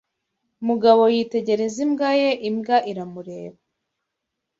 Mugabo yitegereza imbwa ye imbwa iramureba.